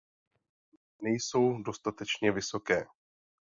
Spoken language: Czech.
Komise rovněž tvrdí, že počty dosud nejsou dostatečně vysoké.